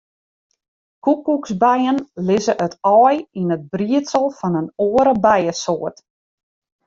Koekoeksbijen lizze it aai yn it briedsel fan in oare bijesoart.